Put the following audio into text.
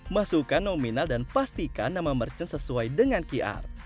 masukkan nominal dan pastikan nama merchant sesuai dengan qr